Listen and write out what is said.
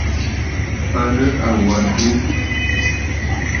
À nɨ àwa ǹtu.